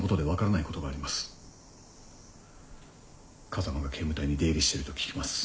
風間が警務隊に出入りしてると聞きます。